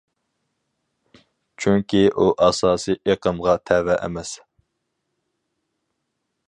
چۈنكى ئۇ ئاساسىي ئېقىمغا تەۋە ئەمەس.